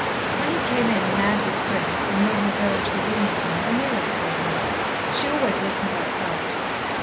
When he came in, mad with drink, and made me go into the room with him, Ameerah saw him. She always listened outside.